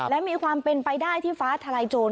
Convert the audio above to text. และมีความเป็นไปได้ที่ฟ้าทลายโจร